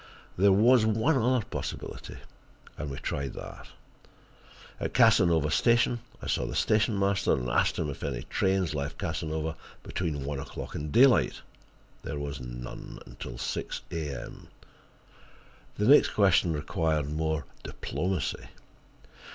There was one other possibility, and we tried that. At Casanova station I saw the station master, and asked him if any trains left Casanova between one o'clock and daylight. There was none until six A.M. The next question required more diplomacy.